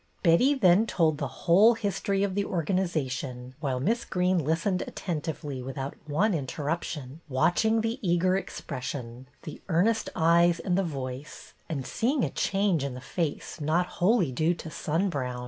Betty then told the whole history of the organization, while Miss Greene listened attentively without one in terruption, watching the eager expression, the earnest eyes and voice, and seeing a change in the face not wholly due to sun brown.